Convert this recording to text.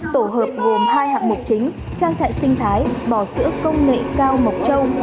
tổ hợp gồm hai hạng mục chính trang trại sinh thái bò sữa công nghệ cao mộc châu